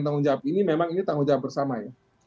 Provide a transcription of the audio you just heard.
tanggung jawab ini memang ini tanggung jawab bersama ya